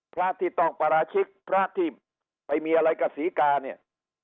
พระที่ต้องปราชิกพระที่ไปมีอะไรกับศรีกาเนี่ย